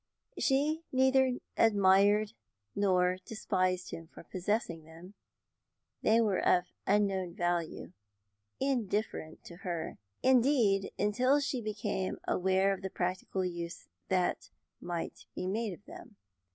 She neither admired nor despised him for possessing them; they were of unknown value, indifferent to her, indeed, until she became aware of the practical use that might be made of them.